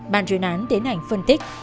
bàn chuyên án tiến hành phân tích